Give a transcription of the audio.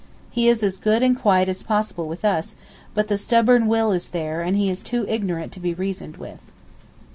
He is as good and quiet as possible with us, but the stubborn will is there and he is too ignorant to be reasoned with.